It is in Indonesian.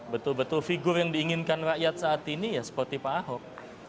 betul betul figur yang diinginkan rakyat saat ini ya seperti pak ahok